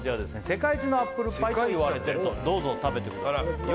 世界一のアップルパイといわれてるとどうぞ食べてください